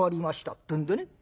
ってんでね